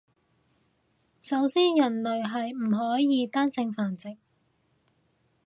首先人類係唔可以單性繁殖